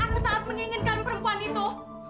aku sangat menginginkan perempuan itu